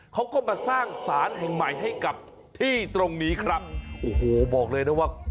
เขาก็มาสร้างสารแห่งใหม่ให้กับที่ตรงนี้ครับโอ้โหบอกเลยนะว่า